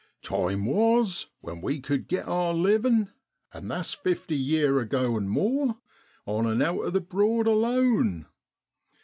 ( Time was when we cud git our livin' an' that's fifty yeer ago an' more on an' out o' the Broad alone.